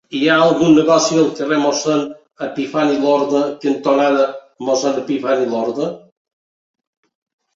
Hi ha algun negoci al carrer Mossèn Epifani Lorda cantonada Mossèn Epifani Lorda?